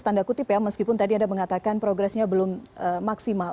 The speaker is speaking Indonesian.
tanda kutip ya meskipun tadi anda mengatakan progresnya belum maksimal